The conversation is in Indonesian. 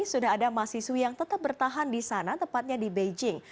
sudah ada mahasiswi yang tetap bertahan di sana tepatnya di beijing